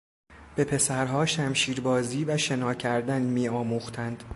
به پسرها شمشیربازی و شنا کردن میآموختند.